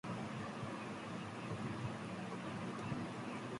The audience was later refunded the price of their tickets.